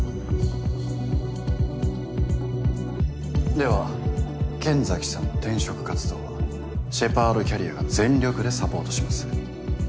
では剣崎さんの転職活動はシェパードキャリアが全力でサポートします。